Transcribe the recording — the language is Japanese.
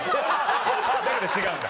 だけど違うんだ。